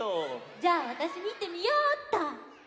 じゃあわたしみてみようっと。